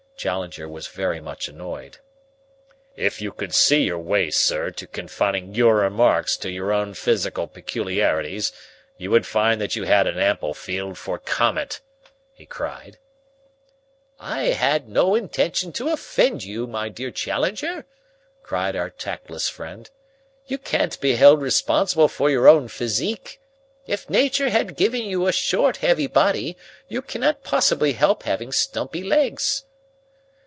Challenger was very much annoyed. "If you could see your way, sir, to confining your remarks to your own physical peculiarities, you would find that you had an ample field for comment," he cried. "I had no intention to offend you, my dear Challenger," cried our tactless friend. "You can't be held responsible for your own physique. If nature has given you a short, heavy body you cannot possibly help having stumpy legs."